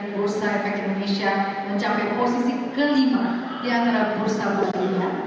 bursa efek indonesia mencapai posisi kelima di antara bursa bursinya